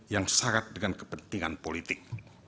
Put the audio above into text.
yang syarat dengan kepentingan politik